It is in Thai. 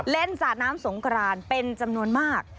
สาดน้ำสงกรานเป็นจำนวนมาก